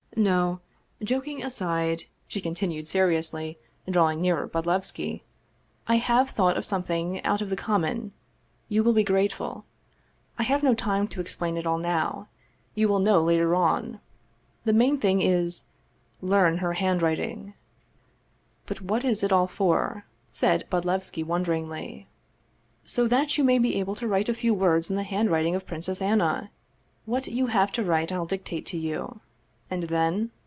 " No, joking aside," she continued seriously, drawing nearer Bodlevski, " I have thought of something out of the 184 Vscvolod Vladimir ovitch Krestovski common; you will be grateful. I have no time to explain it all now. You will know later on. The main thing is learn her handwriting." " But what is it all for?" said Bodlevski wonderingly. " So that you may be able to write a few words in the handwriting of Princess Anna; what you have to write I'll dictate to you." "And then?"